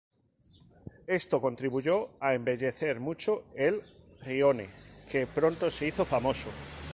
Esto contribuyó a embellecer mucho el "rione", que pronto se hizo famoso.